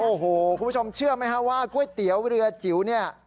โอ้โหคุณผู้ชมเชื่อไหมฮะว่าก๋วยเตี๋ยวเรือจิ๋วเนี่ย